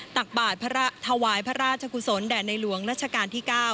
ตักบาทถวายพระราชกุศลแด่ในหลวงรัชกาลที่๙